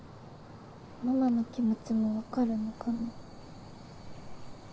ママの気持ちも分かるのかな